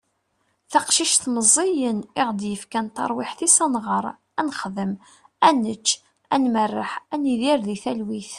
taqcict meẓẓiyen i aɣ-d-yefkan taṛwiḥt-is ad nɣeṛ, ad nexdem, ad nečč, ad merreḥ, ad nidir di talwit